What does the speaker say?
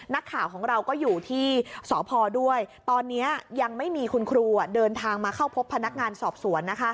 นักข่าวของเราก็อยู่ที่สพด้วยตอนนี้ยังไม่มีคุณครูเดินทางมาเข้าพบพนักงานสอบสวน